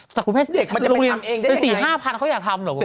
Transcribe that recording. แต่สมมติเด็กไปโรงเรียนเป็นสี่ห้าพันเขาอยากทำเหรอพ่อแม่